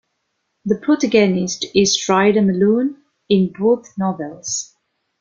The protagonist is Ryder Malone in both novels.